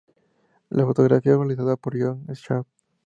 La fotografía fue realizada por John Shaw.